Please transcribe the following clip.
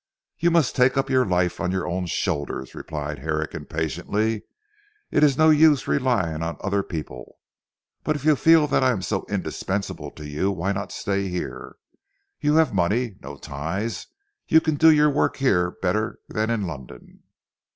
"You must take up your life on your own shoulders," replied Herrick impatiently; "it is no use relying on other people. But if you feel that I am so indispensable to you, why not stay here? You have money, no ties, and can do your work here better than in London."